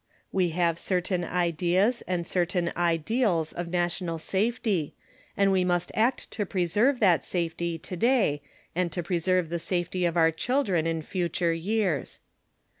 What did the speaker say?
We have certain ideas and certain ideals of national safety and we must act to preserve that safety today and to preserve the safety of our children in future years.